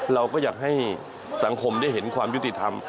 เราก็อยากให้สังคมได้เห็นความยุติธรรม